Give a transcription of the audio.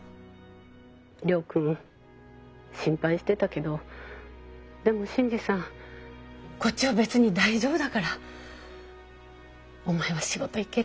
亮君心配してたけどでも新次さんこっちは別に大丈夫だからお前は仕事行けって。